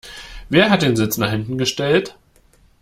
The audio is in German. Wer hat den Sitz nach hinten gestellt?